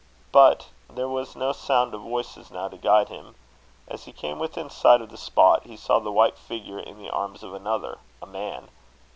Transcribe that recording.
But there was no sound of voices now to guide him. As he came within sight of the spot, he saw the white figure in the arms of another, a man.